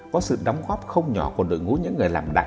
có sự đóng góp không nhỏ của lượng